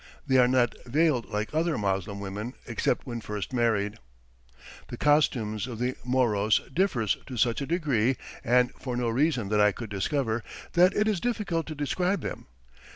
They are not veiled like other Moslem women, except when first married. The costumes of the Moros differ to such a degree and for no reason that I could discover that it is difficult to describe them.